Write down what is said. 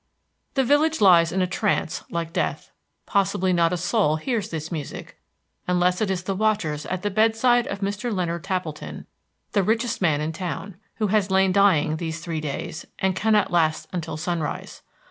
The village lies in a trance like death. Possibly not a soul hears this music, unless it is the watchers at the bedside of Mr. Leonard Tappleton, the richest man in town, who has lain dying these three days, and cannot last until sunrise.